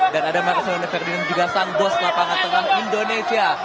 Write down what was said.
dan ada marcelo neferdin juga sang bos lapangan tengah indonesia